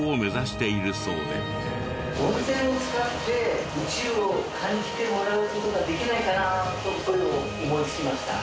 温泉を使って宇宙を感じてもらう事ができないかなとこれを思いつきました。